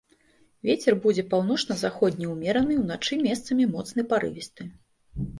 Вецер будзе паўночна-заходні ўмераны, уначы месцамі моцны парывісты.